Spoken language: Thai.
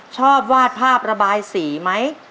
ชอบวาดภาพระบายสีไหม